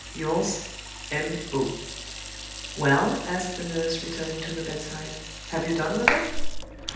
"Yours, M. O." "Well?" asked the nurse, returning to the bedside. "Have you done with it?"